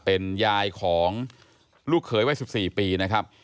เป็นยายของลูกเขยวัย๑๔ปีนะครับ